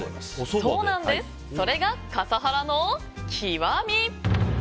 それが笠原の極み。